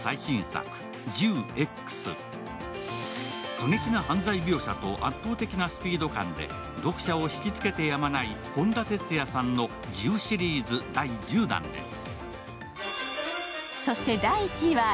過激な犯罪描写と圧倒的なスピード感で読者を引きつけてやまない誉田哲也さんの「ジウ」シリーズ第１０弾です。